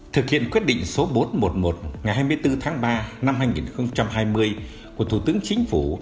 thực hiện quyết định số bốn trăm một mươi một ngày hai mươi bốn tháng ba năm hai nghìn hai mươi của thủ tướng chính phủ